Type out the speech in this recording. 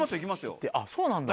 あっそうなんだ。